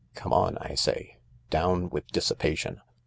Come on, I say. Down with dissipation